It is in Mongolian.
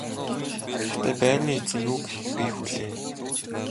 Гэхдээ байрны эзэн юу гэхийг би хүлээе.